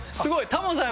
タモさん